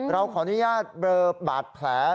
เราขออนุญาตเบลอบาดแผล